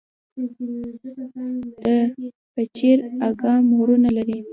د پچیر اګام غرونه لري